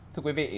thưa quý vị